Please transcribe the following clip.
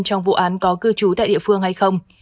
trong vụ án có cư trú tại địa phương hay không